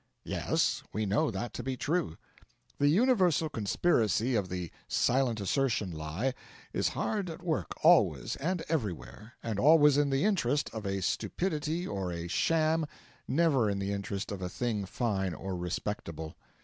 Yes, we know that to be true. The universal conspiracy of the silent assertion lie is hard at work always and everywhere, and always in the interest of a stupidity or a sham, never in the interest of a thing fine or respectable.